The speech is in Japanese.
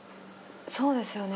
そうですよね？